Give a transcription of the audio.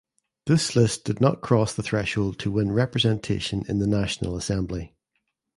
This list did not cross the threshold to win representation in the national assembly.